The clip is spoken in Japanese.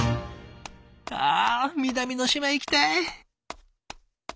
あ南の島行きたい。